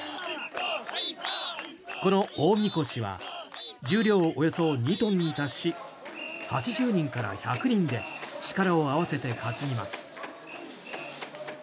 この大みこしは重量およそ２トンに達し８０人から１００人で力を合わせて担ぎます。